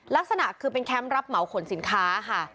ลักษณะคือเป็นแคมป์รับเหมาขนสินค้าค่ะ